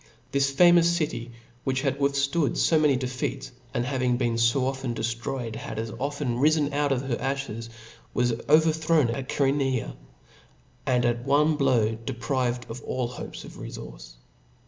This famous city, which had ciup/^^ withftood fo many defeats, and after having been fo often dellroyed, had as often rifen out of her aflies, was overthrown at Chseronea, and at one blow deprived of all hopes of refource.